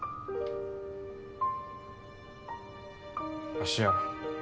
芦屋。